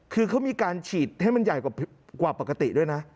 คือเขามีการฉีดให้มันใหญ่กว่าปกติด้วยนะ